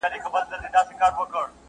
ښوونځی اکاډیمی پوهنتونونه!